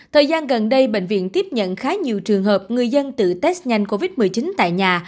thời gian gần đây bệnh viện tiếp nhận khá nhiều trường hợp người dân tự test nhanh covid một mươi chín tại nhà